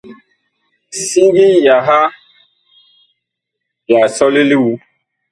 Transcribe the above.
Siŋgi yaɓa ya sɔle li wu.